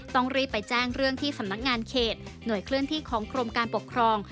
ต้องรีบไปแจ้งเรื่องที่สำนักงานเขตหน่วยเคลื่อนที่ของกรมการปกครอง